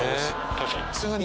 確かに。